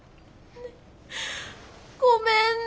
ごめんね。